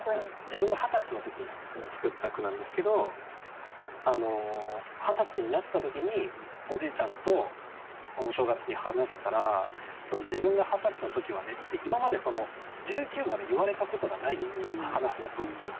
自分が二十歳の時に作った句なんですけど二十歳になった時におじいちゃんとお正月に話したら「自分が二十歳の時はね」って今まで１９まで言われたことがない話だったんですよ。